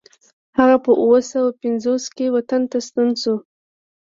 هغه په اوه سوه پنځوس کې وطن ته ستون شو.